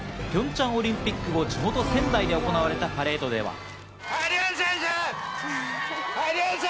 ピョンチャンオリンピック後、地元・仙台で行われたパレードでは。